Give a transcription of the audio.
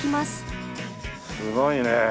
すごいね。